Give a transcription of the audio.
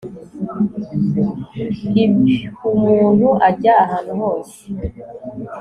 ibh umuntu ujya ahantu hose